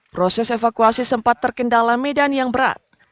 proses evakuasi sempat terkendala medan yang berat